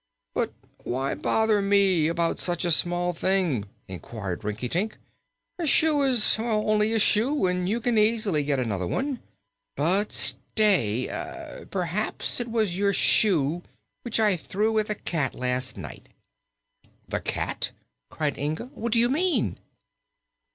"But why bother me about such a small thing?" inquired Rinkitink. "A shoe is only a shoe, and you can easily get another one. But, stay! Perhaps it was your shoe which I threw at the cat last night." "The cat!" cried Inga. "What do you mean?"